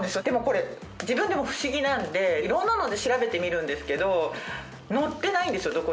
でもこれ自分でも不思議なんで色んなので調べてみるんですけど載ってないんですよ